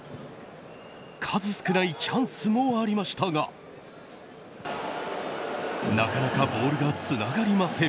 数少ないチャンスもありましたがなかなかボールがつながりません。